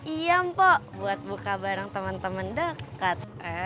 iya mpok buat buka bareng temen temen dekat